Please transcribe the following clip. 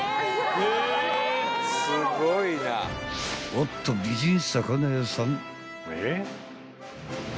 ［おっと美人魚屋さん］